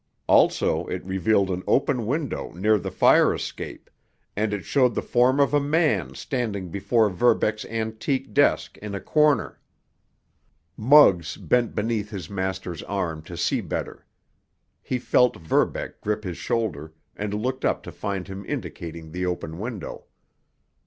Also, it revealed an open window near the fire escape—and it showed the form of a man standing before Verbeck's antique desk in a corner. Muggs bent beneath his master's arm to see better. He felt Verbeck grip his shoulder, and looked up to find him indicating the open window.